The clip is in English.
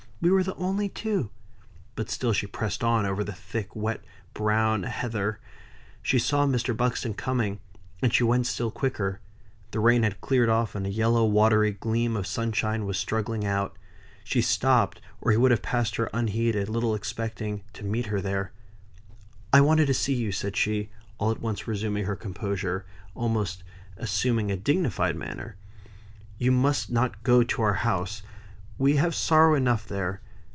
We were the only two." But still she pressed on, over the thick, wet, brown heather. She saw Mr. Buxton coming; and she went still quicker. The rain had cleared off, and a yellow watery gleam of sunshine was struggling out. She stopped or he would have passed her unheeded; little expecting to meet her there. "I wanted to see you," said she, all at once resuming her composure, and almost assuming a dignified manner. "You must not go down to our house; we have sorrow enough there.